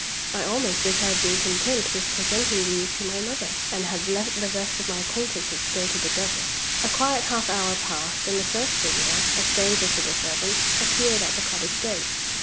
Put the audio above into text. I almost wish I had been content with presenting you to my mother, and had let the rest of my acquaintances go to the devil." A quiet half hour passed; and the first visitor, a stranger to the servants, appeared at the cottage gate.